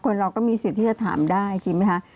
เราก็มีสิทธิ์ที่จะถามได้จริงไหมคะ